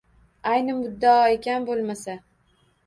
–Ayni muddao ekan bo’lmasa…